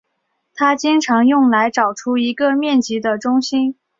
它经常用来找出一个面积的中心。